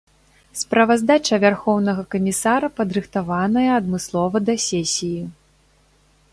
Справаздача вярхоўнага камісара падрыхтаваная адмыслова да сесіі.